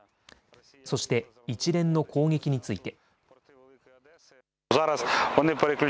そして一連の攻撃について。